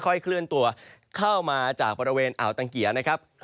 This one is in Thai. เคลื่อนตัวเข้ามาจากบริเวณอ่าวตังเกียร์นะครับ